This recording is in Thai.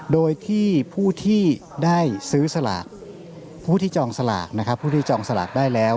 โดยที่ผู้ที่ได้ซื้อสลากผู้ที่จองสลากได้แล้ว